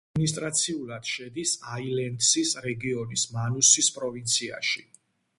ადმინისტრაციულად შედის აილენდსის რეგიონის მანუსის პროვინციაში.